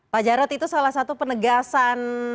pak jarod itu salah satu penegasan